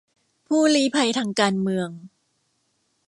ผู้ลี้ภัยทางการเมือง